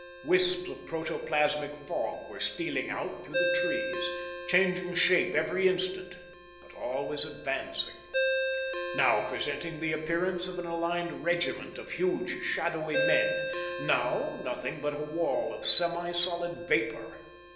Wisps of protoplasmic fog were stealing out through the trees, changing shape every instant, but always advancing: now presenting the appearance of an aligned regiment of huge, shadowy men, now nothing but a wall of semi solid vapor.